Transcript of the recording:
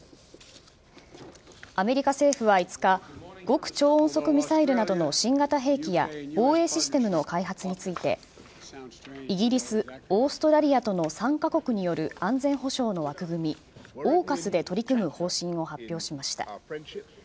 アメリカ政府は５日極超音速ミサイルなどの新型兵器や防衛システムの開発についてイギリス、オーストラリアとの３カ国による安全保障の枠組みＡＵＫＵＳで取り組む方針を発表しました。